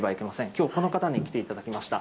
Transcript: きょう、この方に来ていただきました。